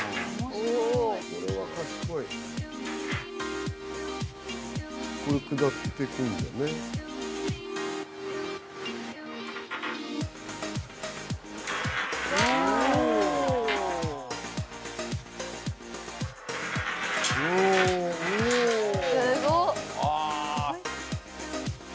すごっ。